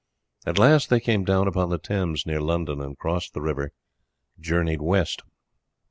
At last they came down upon the Thames near London, and crossing the river journeyed west.